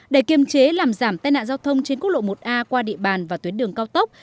để kiềm chế làm giảm tai nạn giao thông trên quốc lộ một a qua địa bàn và tuyến đường cao tốc